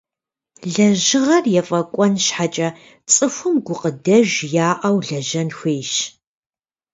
Лэжьыгъэр ефӀэкӀуэн щхьэкӀэ цӀыхум гукъыдэж яӀэу лэжьэн хуейщ.